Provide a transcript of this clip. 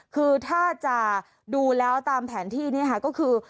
คือถ้าจะดูแล้วตามแผนที่นี่ค่ะก็คือ